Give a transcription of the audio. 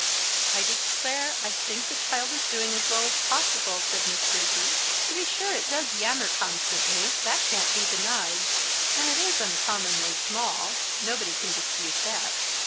"I declare, I think the child is doing as well as possible," said Miss Grizzy. "To be sure it does yammer constantly that can't be denied; and it is uncommonly small nobody can dispute that.